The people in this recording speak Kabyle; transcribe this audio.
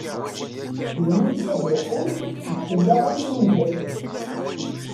Yennulfa-d lqum yettelleɣen irunǧasen.